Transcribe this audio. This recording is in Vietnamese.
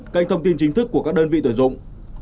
kênh thông tin chính thức của các đơn vị tuyển dụng